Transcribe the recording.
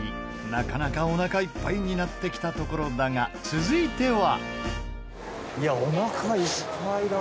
なかなか、おなかいっぱいになってきたところだが続いては藤ヶ谷：おなかいっぱいだ。